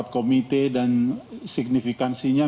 komite dan signifikansinya